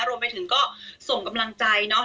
รวมไปถึงก็ส่งกำลังใจเนาะ